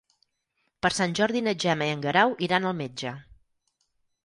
Per Sant Jordi na Gemma i en Guerau iran al metge.